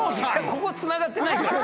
ここつながってないから。